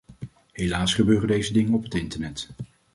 Helaas gebeuren deze dingen op het internet.